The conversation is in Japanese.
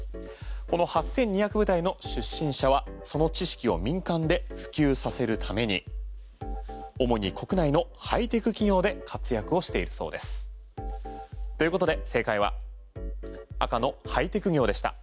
この８２００部隊の出身者はその知識を民間で普及させるために主に国内のハイテク企業で活躍をしているそうです。ということで正解は赤のハイテク業でした。